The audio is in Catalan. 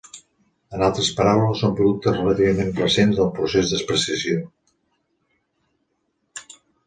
En altres paraules, són productes relativament recents del procés d'especiació.